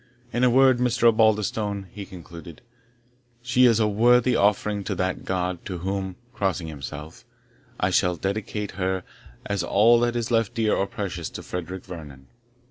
In a word, Mr. Osbaldistone," he concluded, "she is a worthy offering to that God, to whom" (crossing himself) "I shall dedicate her, as all that is left dear or precious to Frederick Vernon."